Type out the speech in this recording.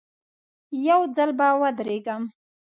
یو ځل به ورېږدم.